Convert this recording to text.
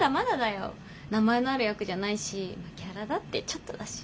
名前のある役じゃないしギャラだってちょっとだし。